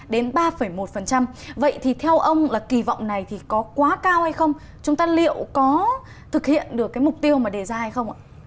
đến ba một vậy thì theo ông là kỳ vọng này thì có quá cao hay không chúng ta liệu có thực hiện được cái mục tiêu mà đề ra hay không ạ